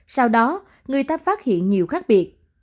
sau đó người ta phát hiện nhiều khác biệt